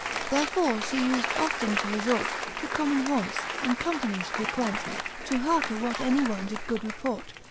Therefore fhe ufed often to refort To common haunts, and companies frequent. To hearke what any one did good report.